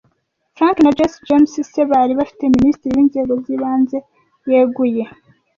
Frank na Jesse James se bari bafite Minisitiri w'inzego z'ibanze yeguye